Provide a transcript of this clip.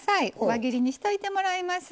輪切りにしといてもらいます。